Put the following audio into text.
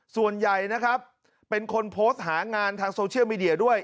ส่วนใหญ่นะครับเป็นคนโพสต์หางานทางโซเชียลมีเดียด้วย